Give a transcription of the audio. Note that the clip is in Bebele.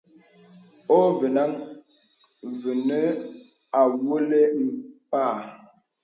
Ôvaŋha vənə àwōlə̀ mpə̀.